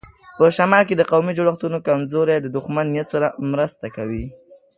په شمال کې د قومي جوړښتونو کمزوري د دښمن نیت سره مرسته کوي.